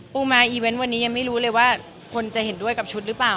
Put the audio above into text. มาอีเวนต์วันนี้ยังไม่รู้เลยว่าคนจะเห็นด้วยกับชุดหรือเปล่า